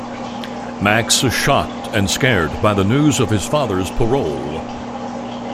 Max is shocked and scared by the news of his father's parole.